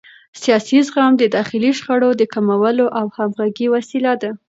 سیاسي زغم د داخلي شخړو د کمولو او همغږۍ وسیله ده